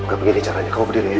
gak begini caranya kamu berdiri ya